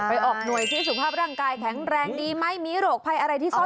ออกหน่วยที่สุขภาพร่างกายแข็งแรงดีไหมมีโรคภัยอะไรที่ซ่อน